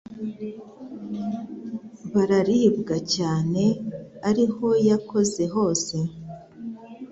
bararibwa cyane aho yakoze hose